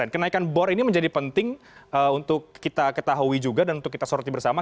kenaikan bor ini menjadi penting untuk kita ketahui juga dan untuk kita soroti bersama